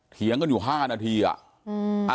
เถียงกันอยู่๕นาทีอ่ะ